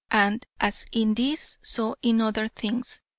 And as in this so in other things.